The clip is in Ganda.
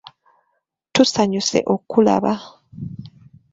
Tusanyuse okkulaba.